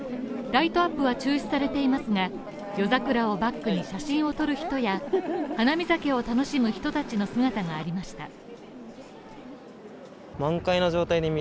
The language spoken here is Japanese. ライトアップは中止されていますが夜桜をバックに写真を撮る人や花見酒を楽しむ人たちの姿がありました。